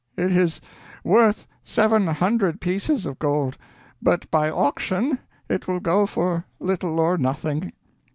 It is worth seven hundred pieces of gold; but by auction it will go for little or nothing."